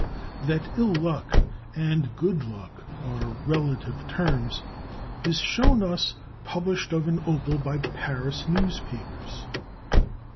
That ill luck and good luck are relative terms is shown us published of an opal by Paris newspapers.